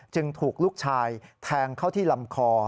ถูกลูกชายแทงเข้าที่ลำคอ